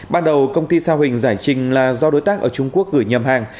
ban đầu công ty sao hình giải trình là do đối tác ở trung quốc gửi nhầm hàng